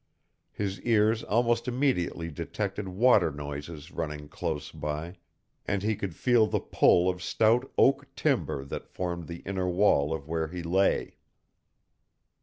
His ears almost immediately detected water noises running close by, and he could feel the pull of stout oak timber that formed the inner wall of where he lay.